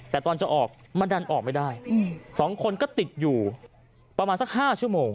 แต่ตอนจะออกมันดันออกไม่ได้๒คนก็ติดอยู่ประมาณสัก๕ชั่วโมง